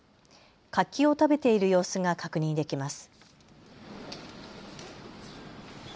柿を食べている様子が確認できます。